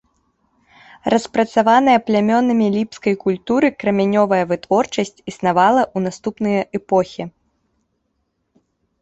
Распрацаваная плямёнамі ліпскай культуры крамянёвая вытворчасць існавала ў наступныя эпохі.